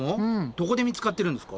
どこで見つかってるんですか？